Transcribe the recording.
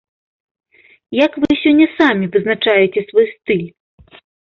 Як вы сёння самі вызначаеце свой стыль?